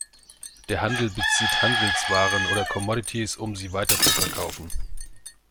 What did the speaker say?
Der Handel bezieht Handelswaren oder Commodities, um sie weiterzuverkaufen.